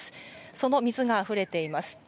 その水があふれています。